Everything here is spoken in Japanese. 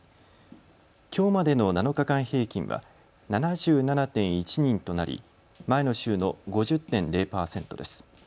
きょうまでの７日間平均は７７．１人となり前の週の５０．０％です。